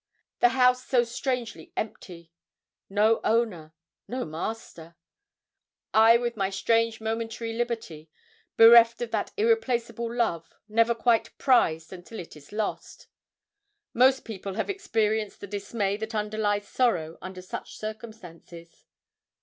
The house so strangely empty. No owner no master! I with my strange momentary liberty, bereft of that irreplaceable love, never quite prized until it is lost. Most people have experienced the dismay that underlies sorrow under such circumstances.